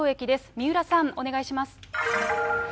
三浦さん、お願いします。